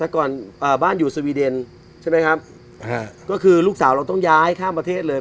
แต่ก่อนบ้านอยู่สวีเดนใช่ไหมครับก็คือลูกสาวเราต้องย้ายข้ามประเทศเลย